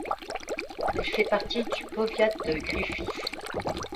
Elle fait partie du powiat de Gryfice.